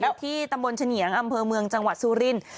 ที่ตำบลเฉนียงอำเภอเมืองจังหวัดสุรินทร์